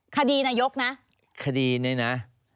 คดีนายกนะคดีนี้นะ